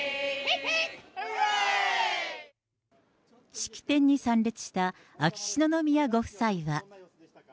式典に参列した秋篠宮ご夫妻は。